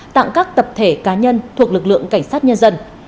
tặng các tập thể cá nhân thuộc lực lượng cảnh sát nhân dân